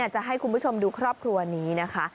จะให้คุณผู้ชมดูครอบครัวนี้นะคะ